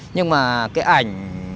nhưng mà cái ảnh